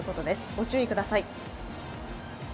ご注意ください。